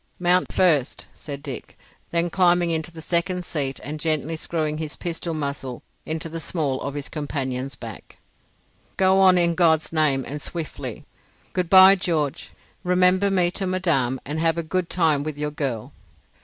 "Mount first," said Dick. Then climbing into the second seat and gently screwing the pistol muzzle into the small of his companion's back, "Go on in God's name, and swiftly. Good bye, George. Remember me to Madame, and have a good time with your girl.